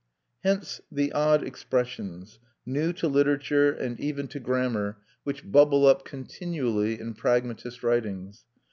Hence the odd expressions, new to literature and even to grammar, which bubble up continually in pragmatist writings.